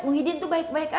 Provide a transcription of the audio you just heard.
muhyiddin tuh baik baik aja